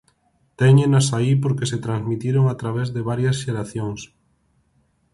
Téñenas aí porque se transmitiron a través de varias xeracións.